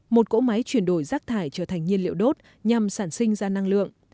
một cỗ máy chuyển đổi rác thải trở thành nhiên liệu đốt nhằm sản sinh ra năng lượng